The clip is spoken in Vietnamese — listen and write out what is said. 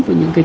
với những cái